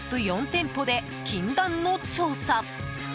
４店舗で禁断の調査。